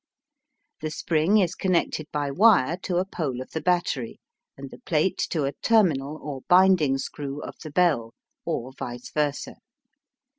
The spring is connected by wire to a pole of the battery, and the plate to a terminal or binding screw of the bell, or vice versa.